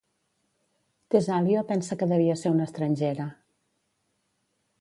Tesalio pensa que devia ser una estrangera.